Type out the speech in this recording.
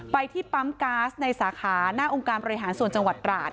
ไปที่ปั๊มก๊าซในสาขาหน้าองค์การบริหารส่วนจังหวัดตราด